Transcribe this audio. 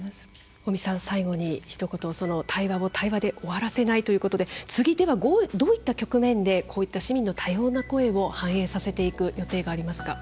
尾身さん、最後にひと言対話を対話で終わらせないということで次、どういった局面で市民の多様な声を反映させていく予定がありますか。